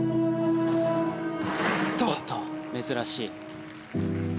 珍しい。